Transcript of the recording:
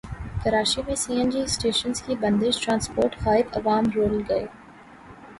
کراچی میں C N G stations کی بندش ٹرانسپورٹ غائب عوام رل گئے